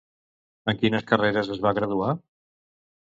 En quines carreres es va graduar?